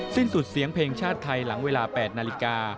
สิ้นสุดเสียงเพลงชาติไทยหลังเวลา๘นาฬิกา